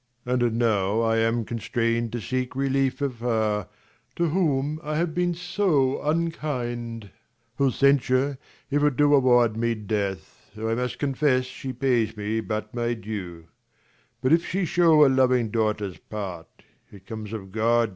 Leir. And now I am constrain'd to seek relief Of her, to whom I have been so unkind ; 190 Whose censure, if it do award me death, I must confess she pays me but my due : But if she shew a loving daughter's part, It comes of God and her, not my desert.